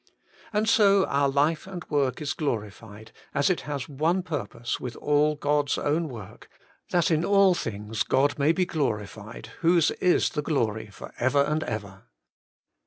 And so our life and work is glorified, as it has one purpose with all God's own work, * that in all things God may be glorified, whose is the glory for ever and ever.'